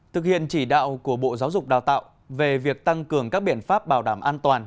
thực hiện chỉ đạo của bộ giáo dục đào tạo về việc tăng cường các biện pháp bảo đảm an toàn